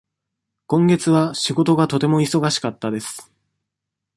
今月は仕事がとても忙しかったです。